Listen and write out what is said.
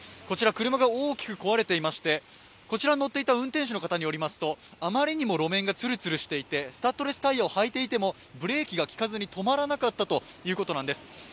こちら車が大きく壊れていましてこちらに乗っていた運転手の方によりますとあまりにも路面がつるつるしていてスタッドレスタイヤを履いていてもブレーキがきかずに止まらなかったということなんです。